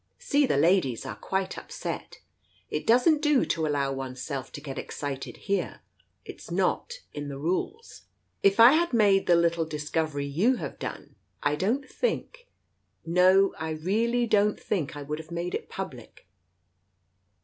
See, the ladies are quite upset. It doesn't do to allow Oneself to get excited here — it's not in the rules. If I had made the little discovery you have done, I don't think — no, I really don't think I would have made it public.